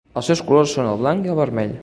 Els seus colors són el blanc i el vermell.